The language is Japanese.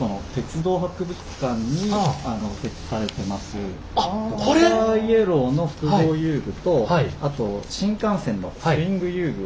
ドクターイエローの複合遊具とあと新幹線のスイング遊具を。